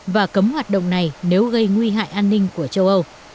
và cấm hoạt động này nếu gây nguy hại an ninh của châu âu